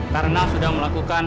karena sudah melakukan